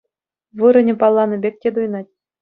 Вырӑнӗ палланӑ пек те туйӑнать.